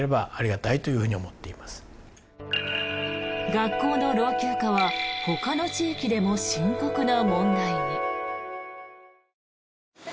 学校の老朽化はほかの地域でも深刻な問題に。